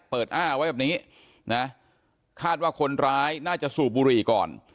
อ้าไว้แบบนี้นะคาดว่าคนร้ายน่าจะสูบบุหรี่ก่อน